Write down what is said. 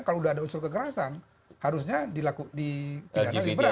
kalau udah ada unsur kekerasan harusnya dilakukan di bidang yang ibarat